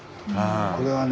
これはね